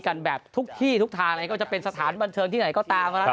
กันแบบทุกที่ทุกทางก็จะเป็นสถานบัญชงที่ไหนก็ตาม